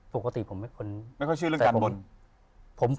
ปกติผมเป็นคนไม่ค่อยเชื่อเรื่องการบน